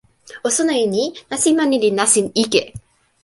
o sona e ni: nasin mani li nasin ike.